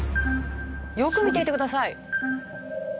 よく見ていてください。